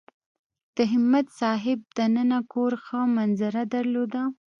د همت صاحب دننه کور ښه منظره درلوده.